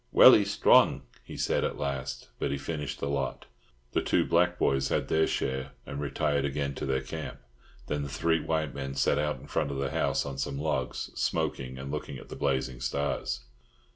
"Welly stlong!" he said at last; but he finished the lot. The two black boys had their share, and retired again to their camp. Then the three white men sat out in front of the house on some logs, smoking, and looking at the blazing stars.